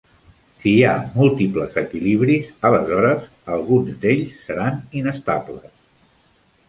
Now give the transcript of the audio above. Si hi ha múltiples equilibris, aleshores alguns d'ells seran inestables.